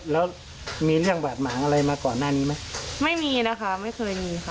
แล้วมีเรื่องบาดหมางอะไรมาก่อนหน้านี้ไหมไม่มีนะคะไม่เคยมีค่ะ